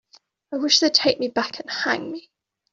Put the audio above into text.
I wish they'd take me back and hang me.